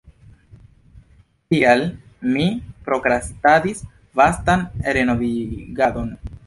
Tial mi prokrastadis vastan renovigadon.